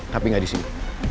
tapi gak di sini